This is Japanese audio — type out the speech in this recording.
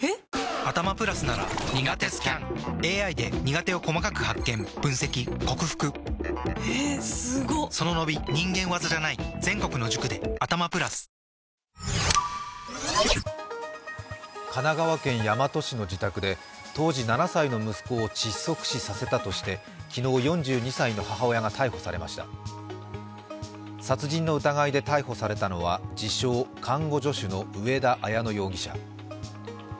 江東区は、副反応やリスクについての情報提供に神奈川県大和市の自宅で当時７歳の息子を窒息死させたとして昨日、４２歳の母親が逮捕されました殺人の疑いで逮捕されたのは自称・看護助手の上田綾乃容疑者。